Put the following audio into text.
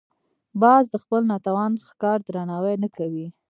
باز د خپل ناتوان ښکار درناوی نه کوي